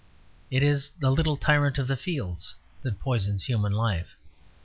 It is "the little tyrant of the fields" that poisons human life.